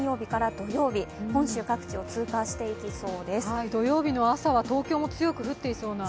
土曜日の朝は東京も強く降っていそうな？